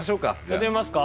やってみますか？